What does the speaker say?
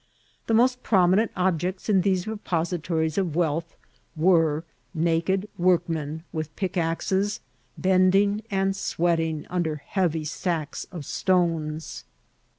The most prominent ob* jects in these repositories of wealth were naked work* men vnth pickaxes, bending and sweating under heavy sacks of stones.